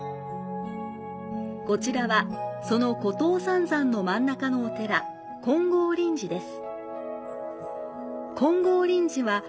こちらは、その湖東三山の真ん中のお寺、金剛輪寺です。